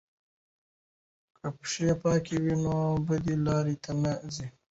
که پښې پاکې وي نو بدې لارې ته نه ځي.